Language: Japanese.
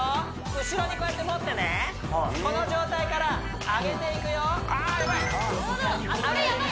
後ろにこうやって持ってねこの状態から上げていくよあやばい